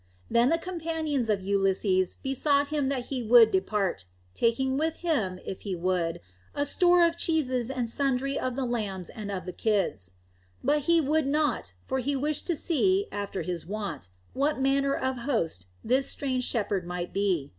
Then the companions of Ulysses besought him that he would depart, taking with him, if he would, a store of cheeses and sundry of the lambs and of the kids. But he would not, for he wished to see, after his wont, what manner of host this strange shepherd might be.